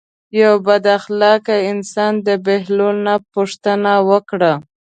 یو بد اخلاقه انسان د بهلول نه پوښتنه وکړه.